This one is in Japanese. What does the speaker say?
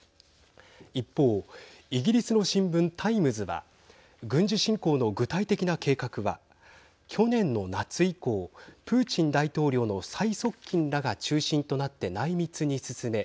一方、イギリスの新聞タイムズは軍事侵攻の具体的な計画は去年の夏以降プーチン大統領の最側近らが中心となって内密に進め